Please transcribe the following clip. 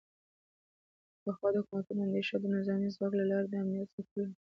پخوا د حکومتونو اندیښنه د نظامي ځواک له لارې د امنیت ساتل و